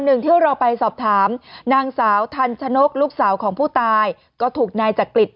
หนึ่งที่เราไปสอบถามนางสาวทันชนกลูกสาวของผู้ตายก็ถูกนายจักริต